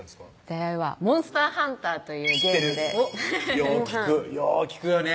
出会いは「モンスターハンター」というゲームで知ってるよう聞くよう聞くよね